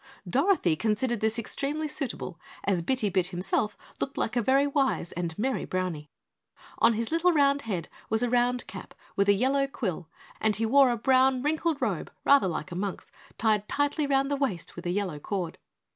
Dorothy considered this extremely suitable as Bitty Bit himself looked like a very wise and merry Brownie. On his little round head was a round cap with a yellow quill and he wore a brown wrinkled robe rather like a monk's, tied tightly round the waist with a yellow cord.